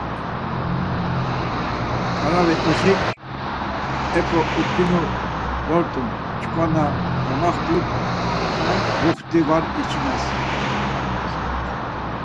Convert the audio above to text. Ǩaravi ixik eǩo upinu dort̆un çkva na gamaxtu buxti var içines.